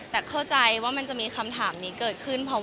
แต่เข้าใจว่ามันจะมีคำถามนี้เกิดขึ้น